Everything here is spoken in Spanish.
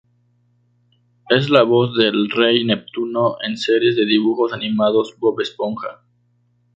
Es la voz del Rey Neptuno en la serie de dibujos animados "Bob Esponja".